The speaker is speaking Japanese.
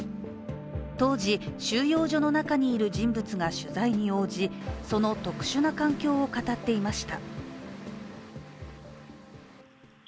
当時、収容所の中にいる人物が取材に応じその特殊な環境を語っていました。